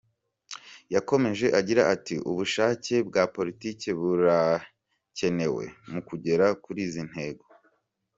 Yakomeje agira ati “Ubushake bwa politiki burakenewe mu kugera kuri izi ntego.